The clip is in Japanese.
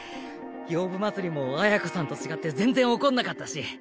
「洋舞祭り」も綾子さんと違って全然怒んなかったし。